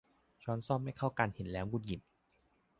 ช้อนส้อมไม่เข้าชุดกัน เห็นแล้วหงุดหงิด